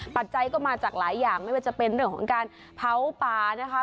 ปัจจัยก็มาจากหลายอย่างไม่ว่าจะเป็นเรื่องของการเผาป่านะคะ